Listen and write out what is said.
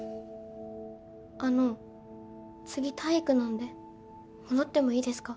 あの次体育なので戻ってもいいですか？